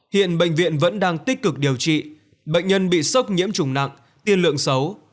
hiện bệnh viện vẫn đang tích cực điều trị bệnh nhân bị sốc nhiễm trùng nặng tiên lượng xấu